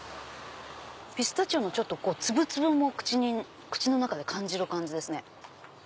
ピスタチオの粒々も口の中で感じますね。